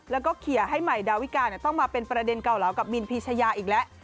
แล้วก็เคลียร์ให้ใหม่ดาวิกาต้องมาเป็นประเด็นเก่าเหลากับมินพีชยาอีกแล้ว